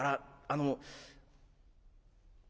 あの」。